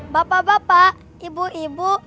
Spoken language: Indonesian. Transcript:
bapak bapak ibu ibu